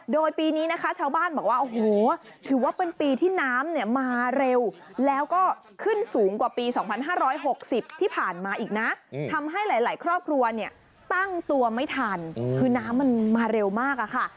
โดยปีนี้นะคะชาวบ้านบอกว่าโอ้โหถือว่าเป็นปีที่น้ำเนี่ยมาเร็วแล้วก็ขึ้นสูงกว่าปี๒๕๖๐ที่ผ่านมาอีกนะทำให้หลายครอบครัวเนี่ยตั้งตัวไม่ทันคือน้ำมันมาเร็วมากอะค่ะ